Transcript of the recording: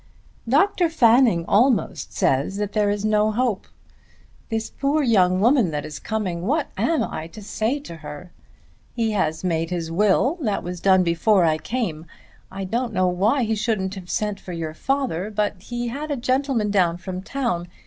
"Dr. Fanning almost says that there is no hope. This poor young woman that is coming; what am I to say to her? He has made his will. That was done before I came. I don't know why he shouldn't have sent for your father, but he had a gentleman down from town.